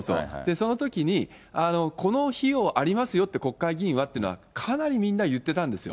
そのときに、この費用ありますよって、国会議員はっていうのは、かなりみんな、言ってたんですよ。